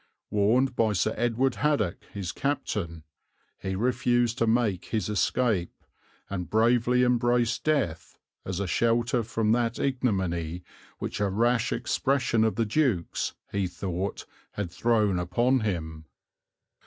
Warned by Sir Edward Haddock, his captain, he refused to make his escape, and bravely embraced death as a shelter from that ignominy which a rash expression of the Duke's, he thought, had thrown upon him."